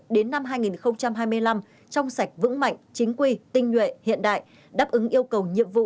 đến năm hai nghìn hai mươi năm trong sạch vững mạnh chính quy tinh nhuệ hiện đại đáp ứng yêu cầu nhiệm vụ